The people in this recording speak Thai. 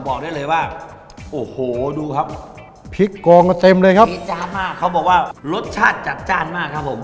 บอกได้เลยว่าโอ้โหดูครับพริกโกงกันเต็มเลยครับพริกจ้านมากเขาบอกว่ารสชาติจัดจ้านมากครับผม